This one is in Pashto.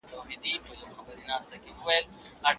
کمپيوټر يخچال کنټرولوي.